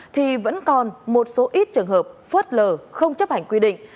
thì vẫn còn một số ít trường hợp phớt lờ không chấp hành quy định